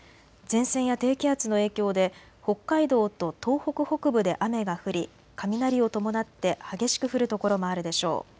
前線や低気圧の影響で北海道と東北北部で雨が降り、雷を伴って激しく降る所もあるでしょう。